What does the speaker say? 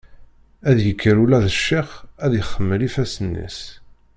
Ad yekker ula d ccix ad ixemmel ifassen-is.